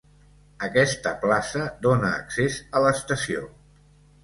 Aquesta plaça dóna accés a l'estació.